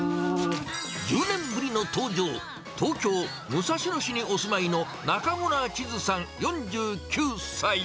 １０年ぶりの登場、東京・武蔵野市にお住まいの中邑千都さん４９歳。